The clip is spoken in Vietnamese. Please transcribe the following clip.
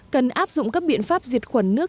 cần áp dụng các biện pháp diệt khuẩn nước